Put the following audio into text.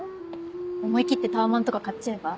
思い切ってタワマンとか買っちゃえば？